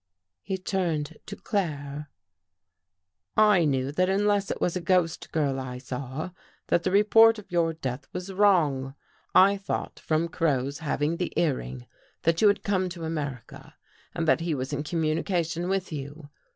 He turned to Claire. " I knew that unless it was a ghost girl I saw, that the report of your death was wrong. I thought from Crow's having the ear ring, that you had come to America and that he was in communication with you.